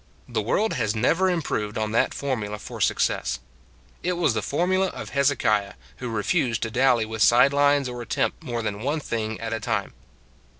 The world has never improved on that formula for success. It was the formula of Hezekiah, who re fused to dally with side lines or attempt more than one thing at a time.